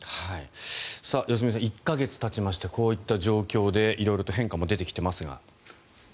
良純さん１か月たちましてこういった状況で色々と変化も出てきていますが。